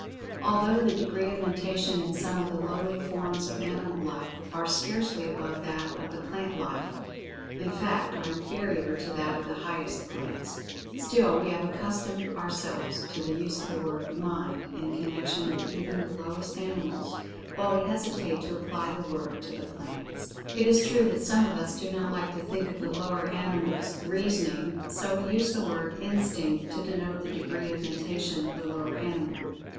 Although the degree of Mentation in some of the lowly forms of animal life, are scarcely above that of the plant life (in fact, are inferior to that of the highest plants), still we have accustomed ourselves to the use of the word "Mind" in connection with even the lowest animals, while we hesitate to apply the word to the plants. It is true that some of us do not like to think of the lower animals "reasoning," so we use the word "Instinct" to denote the degree of Mentation of the lower animal.